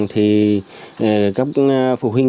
thì các phụ huynh